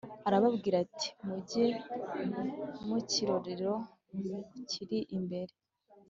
arababwira ati “Mujye mu kirorero kiri imbere